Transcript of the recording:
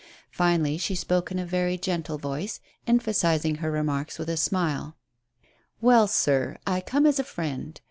Finally she spoke in a very gentle voice, emphasizing her remarks with a smile. " Well, sir, I come as a friend.